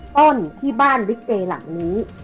ต้นที่บ้านลิเกย์หลังนี้